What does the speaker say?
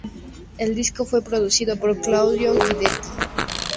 El disco fue producido por Claudio Guidetti.